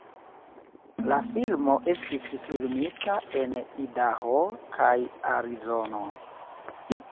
La filmo estis filmita en Idaho kaj Arizono.